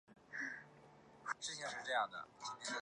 目前放置于汉翔公司台中厂区飞机公园做展示。